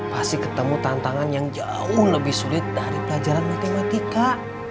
pasti ketemu tantangan yang jauh lebih sulit dari pelajaran matematika